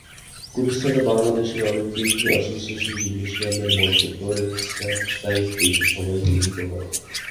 গুলিস্তানের Bangladesh Olympic অ্যাসোসিয়েশনের জিমনেশিয়ামের মঞ্চে ফ্লোর এক্সারসাইজ দেখিয়ে সবাইকে মুগ্ধ করেন।